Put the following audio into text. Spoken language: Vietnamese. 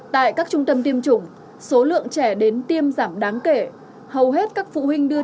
tại các trung tâm tiêm chủng số lượng trẻ đến tiêm giảm đáng kể hầu hết các phụ huynh đưa